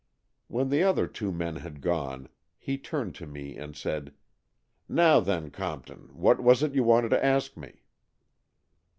When the other two men had gone, he turned to me and said, " Now then, Compton, what was it you wanted to ask me